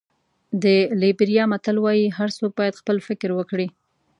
د لېبریا متل وایي هر څوک باید خپل فکر وکړي.